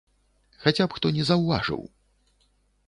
Хаця б хто не заўважыў!